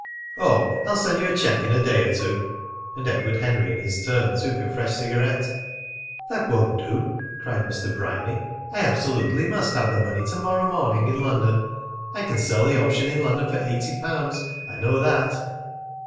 "Oh, I'll send you a cheque in a day or two." And Edward Henry in his turn took a fresh cigarette. "That won't do! That won't do!" cried Mr. Bryany. "I absolutely must have the money to morrow morning in London. I can sell the option in London for eighty pounds, I know that."